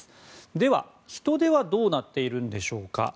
では人出はどうなっているんでしょうか。